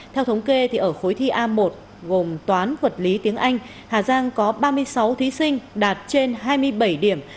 theo thống kê ở khối thi a một gồm toán vật lý tiếng anh hà giang có ba mươi sáu thí sinh đạt trên hai mươi bảy điểm